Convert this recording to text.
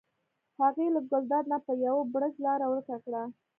هغې له ګلداد نه په یو بړچ لاره ورکه کړه.